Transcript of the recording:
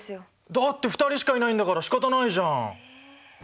だって２人しかいないんだからしかたないじゃん。